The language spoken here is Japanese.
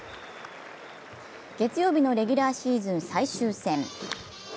月曜日のレギュラーシーズン最終戦。